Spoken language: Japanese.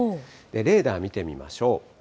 レーダー見てみましょう。